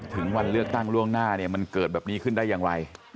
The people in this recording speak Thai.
ถึงวันเลือกตั้งล่วงหน้าเนี่ยมันเกิดแบบนี้ขึ้นได้อย่างไร